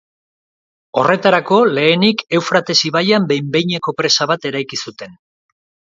Horretarako, lehenik, Eufrates ibaian behin-behineko presa bat eraiki zuten.